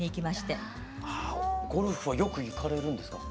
あゴルフはよく行かれるんですか？